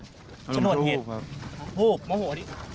ภูมิภูมิครับ